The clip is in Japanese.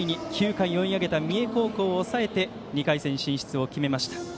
９回に追い上げた三重高校を抑えて２回戦進出を決めました。